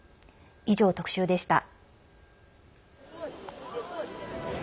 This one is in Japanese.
以上、特集でした。